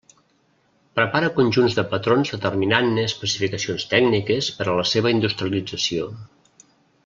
Prepara conjunts de patrons determinant-ne especificacions tècniques per a la seva industrialització.